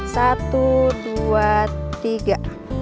satu dua tiga